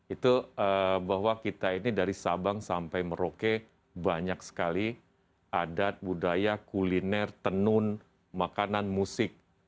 itu bahwa kita ini dari sabang sampai merauke banyak sekali adat budaya kuliner tenun makanan musik